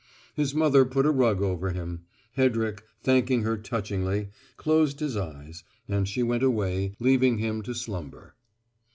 His mother put a rug over him; Hedrick, thanking her touchingly, closed his eyes; and she went away, leaving him to slumber.